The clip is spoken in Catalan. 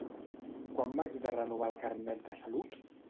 Quan m'haig de renovar el Carnet de salut?